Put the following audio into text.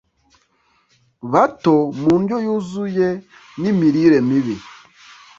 bato mundyo yuzuye n'imirire mibi